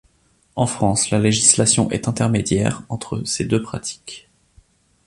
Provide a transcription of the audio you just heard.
En France, la législation est intermédiaire entre ces deux pratiques.